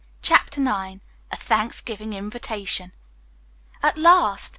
CHAPTER IX A THANKSGIVING INVITATION "At last!"